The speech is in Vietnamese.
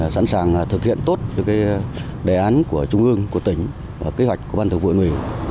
sẵn sàng thực hiện tốt đề án của trung ương của tỉnh và kế hoạch của ban thường vụ ủy